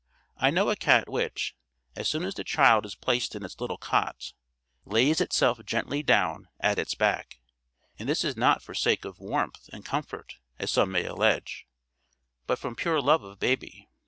I know a cat which, as soon as the child is placed in its little cot, lays itself gently down at its back; and this is not for sake of warmth and comfort, as some may allege, but from pure love of baby.